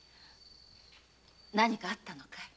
何かあったのかい？